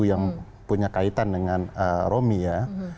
yang punya kaitan dengan romi ya